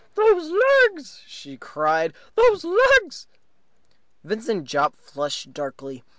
"Those legs!" she cried. "Those legs!" Vincent Jopp flushed darkly.